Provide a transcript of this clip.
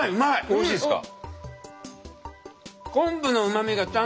おいしいですか？